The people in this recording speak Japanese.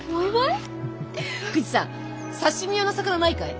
福治さん刺身用の魚ないかい？